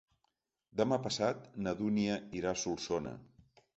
Demà passat na Dúnia irà a Solsona.